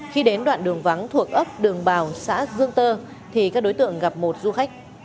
khi đến đoạn đường vắng thuộc ấp đường bào xã dương tơ thì các đối tượng gặp một du khách